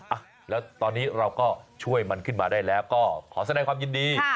อ่ะแล้วตอนนี้เราก็ช่วยมันขึ้นมาได้แล้วก็ขอแสดงความยินดี